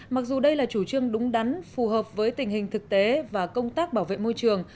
mặc dù đây là chủ trương đúng đắn phù hợp với tình hình thực tế và công tác bảo vệ môi trường